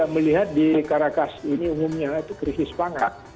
melihat di karakas ini umumnya itu krisis pangan